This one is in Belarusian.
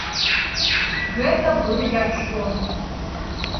Гэта быў як сон.